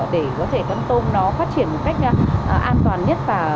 để có thể con tôm nó phát triển một cách an toàn nhất và